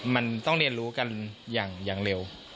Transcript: มันต้องเรียนรู้กันอย่างเร็ว